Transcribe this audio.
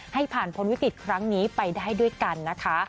ให้ผ่านพ้นวิกฤตครั้งนี้ไปได้ด้วยกันนะคะ